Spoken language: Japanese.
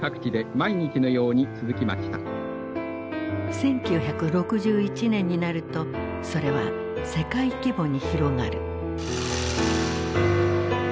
１９６１年になるとそれは世界規模に広がる。